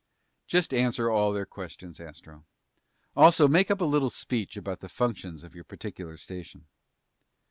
"Just answer all their questions, Astro. Also, make up a little speech about the functions of your particular station."